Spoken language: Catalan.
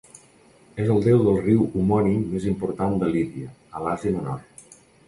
És el déu del riu homònim més important de Lídia, a l'Àsia Menor.